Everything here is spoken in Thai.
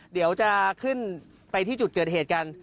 เดี๋ยวจะขึ้นไปที่จุดเกิดเหตุกัน